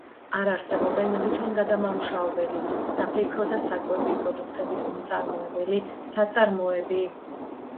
აქ არსებობენ ლითონგადამამუშავებელი, საფეიქრო და საკვები პროდუქტების მწარმოებელი საწარმოები.